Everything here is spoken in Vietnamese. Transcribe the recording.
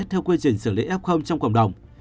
theo quy trình xử lý f trong cộng đồng